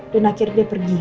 dan akhirnya dia pergi